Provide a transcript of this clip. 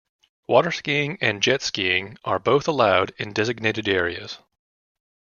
Waterskiing and Jet Skiing are both allowed in designated areas.